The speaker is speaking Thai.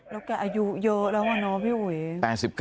แล้วแกอายุเยอะแล้วอะเนาะพี่อุ๋ย